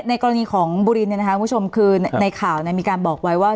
กรณีของบุรีคุณผู้ชมคือในข่าวมีการบอกไว้ว่า